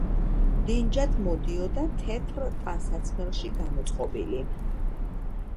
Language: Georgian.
დინჯად მოდიოდა თეთრ ტანსაცმელში გამოწყობილი.